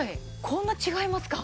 こんな違いますか。